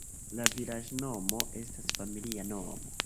La vilaĝnomo estas familia nomo.